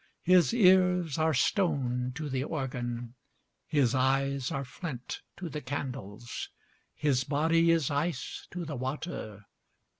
His ears are stone to the organ, His eyes are flint to the candles, His body is ice to the water.